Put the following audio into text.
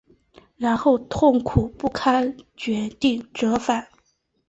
然后痛苦不堪决定折返